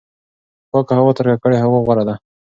پاکه هوا تر ککړې هوا غوره ده.